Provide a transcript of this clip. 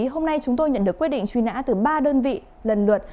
hôm nay chúng tôi nhận được quyết định truy nã từ ba đơn vị lần lượt